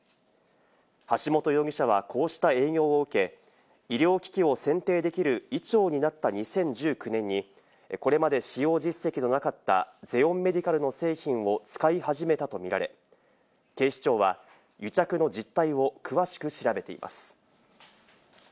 橋本容疑者はこうした営業を受け、医療機器を選定できる医長になった２０１９年にこれまで使用実績のなかったゼオンメディカルの製品を使い始めたとみられ、警視庁は癒着の実態を詳しく調べています。